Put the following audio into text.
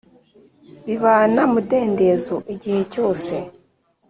bibana mudendezo igihe cyose ,